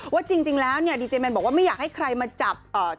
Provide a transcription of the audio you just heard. ว่าจริงแล้วเนี่ยดีเจแมนบอกว่าไม่อยากให้ใครมาจับ